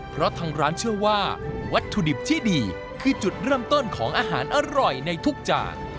เพราะทางร้านเชื่อว่าวัตถุดิบที่ดีคือจุดเริ่มต้นของอาหารอร่อยในทุกจาน